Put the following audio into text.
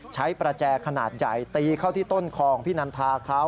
ประแจขนาดใหญ่ตีเข้าที่ต้นคอของพี่นันทาเขา